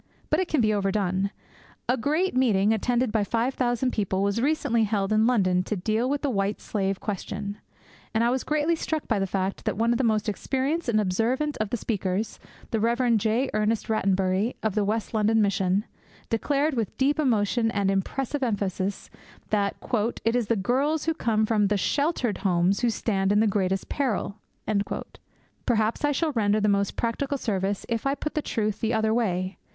But it can be overdone. A great meeting, attended by five thousand people, was recently held in London to deal with the White Slave question. And I was greatly struck by the fact that one of the most experienced and observant of the speakers the Rev. J. Ernest Rattenbury, of the West London Mission declared with deep emotion and impressive emphasis that 'it is the girls who come from the sheltered homes who stand in the greatest peril.' Perhaps I shall render the most practical service if I put the truth the other way.